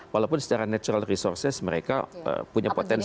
walaupun secara natural resources mereka punya potensi